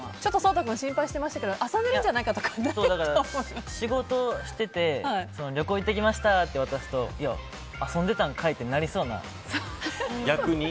颯太君、心配してましたけど遊んでるとかないと仕事をしていて旅行に行ってきましたって渡すといや、遊んでたんかいってなりそうな。